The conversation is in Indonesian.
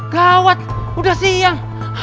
gawat udah siang